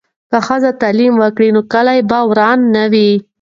که ښځې تعلیم وکړي نو کلي به وران نه وي.